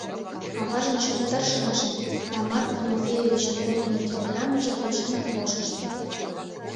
Аважын чот тыршымыже да Марк Тимофеевичын колтымо телеграммыже полшенак полшышт.